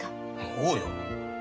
おうよ。